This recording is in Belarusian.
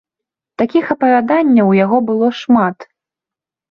Такіх апавяданняў у яго было шмат.